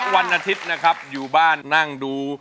วันอาทิตย์นะครับอยู่บ้านนั่งดู